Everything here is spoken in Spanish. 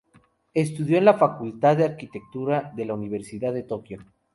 Estudió en la facultad de arquitectura de la Universidad de Tokio.